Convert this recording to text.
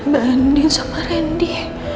bandin sama randy